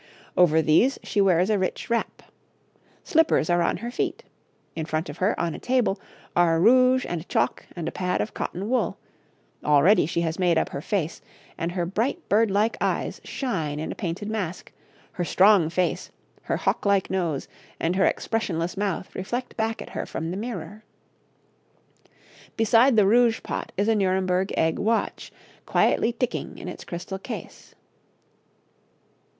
Over these she wears a rich wrap. Slippers are on her feet. In front of her, on a table, are rouge and chalk and a pad of cotton wool already she has made up her face, and her bright bird like eyes shine in a painted mask, her strong face, her hawk like nose and her expressionless mouth reflect back at her from the mirror. Beside the rouge pot is a Nuremberg egg watch, quietly ticking in its crystal case.